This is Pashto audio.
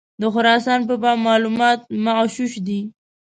د خراسان په باب معلومات مغشوش دي.